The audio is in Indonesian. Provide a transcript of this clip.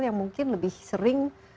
yang mungkin lebih sering